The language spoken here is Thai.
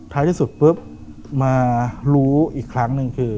ท้ายที่สุดพบมารู้อีกครั้งนึงคือ